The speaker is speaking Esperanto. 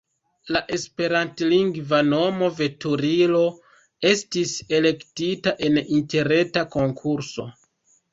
La esperantlingva nomo "Veturilo" estis elektita en interreta konkurso.